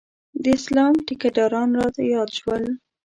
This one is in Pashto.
د اسلام ټیکداران رایاد شول.